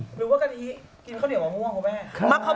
หรือว่ากะทิกินข้าวเหนียวกว่าง่วงครับแม่